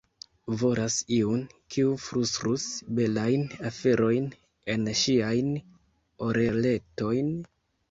Volas iun, kiu flustrus belajn aferojn en ŝiajn oreletojn.